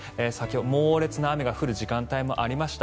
猛烈な雨が降る時間帯もありました。